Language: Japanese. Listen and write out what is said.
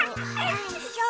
ないしょ。